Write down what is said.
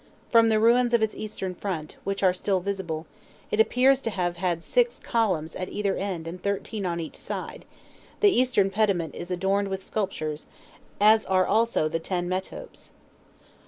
From the ruins of its eastern front, which are still visible, it appears to have had six columns at either end and thirteen on each side; the eastern pediment is adorned with sculptures, as are also the ten metopes.